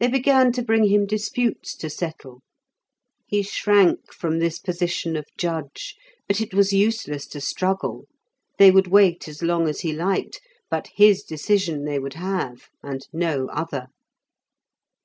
They began to bring him disputes to settle; he shrank from this position of judge, but it was useless to struggle; they would wait as long as he liked, but his decision they would have, and no other.